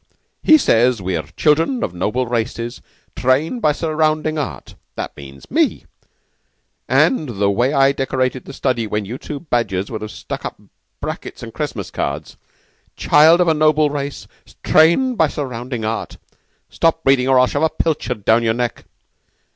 He says 'we're children of noble races trained by surrounding art.' That means me, and the way I decorated the study when you two badgers would have stuck up brackets and Christmas cards. Child of a noble race, trained by surrounding art, stop reading, or I'll shove a pilchard down your neck!"